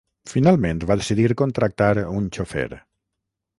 Finalment va decidir contractar un xofer.